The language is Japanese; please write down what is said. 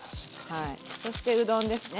そしてうどんですね。